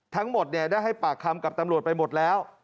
ทั้งหมดได้ให้ปากคำกับตำรวจไปหมดแล้ว